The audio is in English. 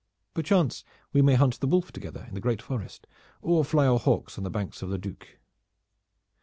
Perchance we may hunt the wolf together in the great forest, or fly our hawks on the banks of the Duc."